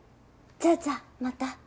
じゃあじゃあまた。